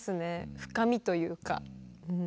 深みというか。